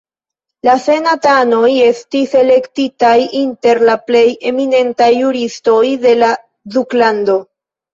La senatanoj estis elektitaj inter la plej eminentaj juristoj de la duklando.